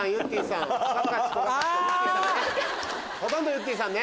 ほとんどゆってぃさんね。